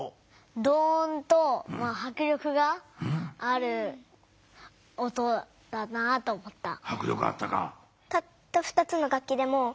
ドーンとはく力がある音だなと思った。